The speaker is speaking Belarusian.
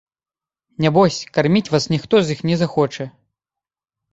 Нябось, карміць вас ніхто з іх не захоча.